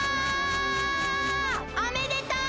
おめでとう！